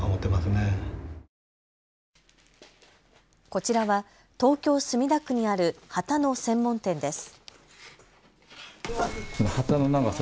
こちらは東京墨田区にある旗の専門店です。